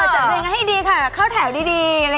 อ๋อจัดเร่งให้ดีค่ะเข้าแถวดีอะไรอย่างนี้